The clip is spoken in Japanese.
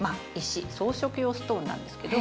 装飾用ストーンなんですけど。